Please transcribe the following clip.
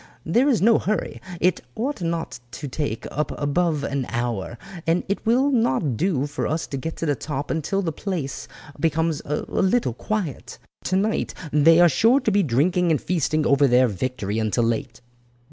There is no hurry. It ought not to take up above an hour, and it will not do for us to get to the top until the place becomes a little quiet. Tonight they are sure to be drinking and feasting over their victory until late."